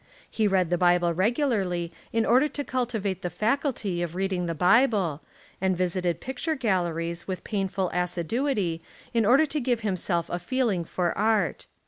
He read the Bible regularly in order to cultivate the faculty of reading the Bible, and visited picture galleries with painful assiduity in order to give himself a feeling for art.